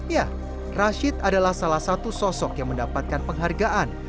ya rashid adalah salah satu sosok yang mendapatkan penghargaan